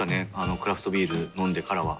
クラフトビール飲んでからは。